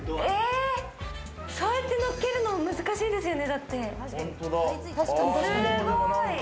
そうやって、のっけるのも難しいですよね。